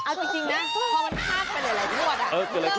เอาจริงนะพอมันพลาดไปหลายงวดอะ